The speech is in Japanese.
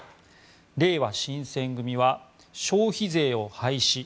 れいわ新選組は消費税を廃止。